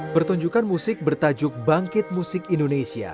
pertunjukan musik bertajuk bangkit musik indonesia